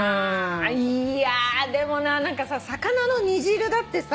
いやでもな魚の煮汁だってさ。